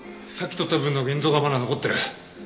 さっき撮った分の現像がまだ残ってる。